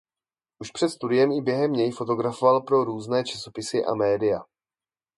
Už před studiem i během něj fotografoval pro různé časopisy a média.